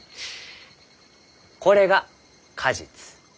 これが果実。